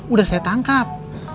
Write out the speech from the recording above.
udah saya tangkap